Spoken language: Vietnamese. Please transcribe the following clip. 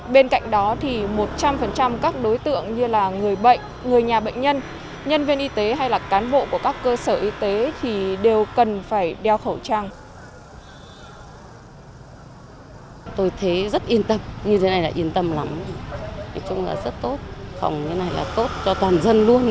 bên cạnh đó một trăm linh các đối tượng như người bệnh người nhà bệnh nhân nhân viên y tế hay cán bộ của các cơ sở y tế đều cần phải đeo khẩu trang